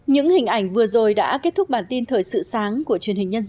những hình ảnh vừa rồi đã kết thúc bản tin thời sự sáng của truyền hình nhân dân